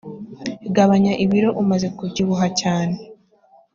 gabanya ibiro umaze kubyubuha cyane